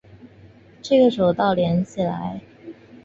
这个走道连起来